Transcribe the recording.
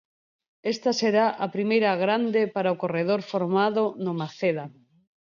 Esta será a primeira 'grande' para o corredor formado no Maceda.